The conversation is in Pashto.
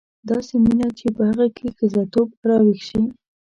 داسې مینه چې په هغه کې ښځتوب راویښ شي.